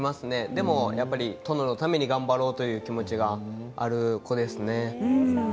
でもやっぱり、殿のために頑張ろうという気持ちがそうなんですね。